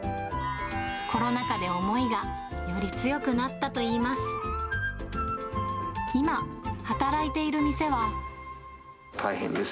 コロナ禍で、思いがより強くなったといいます。